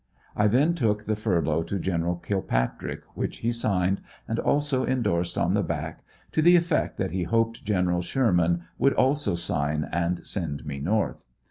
I then took the furlough to Gen. Kilpatrick, which he signed, and also endorsed on the back to the effect that he hoped Gen. Sherman would also sign and send me North.